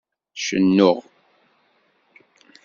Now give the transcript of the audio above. Cennuɣ.